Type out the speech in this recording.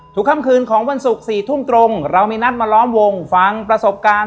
ค่ำคืนของวันศุกร์๔ทุ่มตรงเรามีนัดมาล้อมวงฟังประสบการณ์